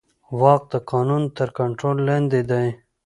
واک د قانون تر کنټرول لاندې دی.